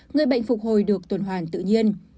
người bệnh phục hồi được tuần hoàn tự nhiên